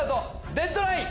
デッドライン！